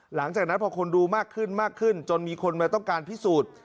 หลังจากนั้นพอคนดูมากขึ้นมากขึ้นจนมีคนมาต้องการพิสูจน์